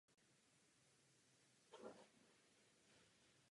Mrtvých prý bylo na čtyři tisíce.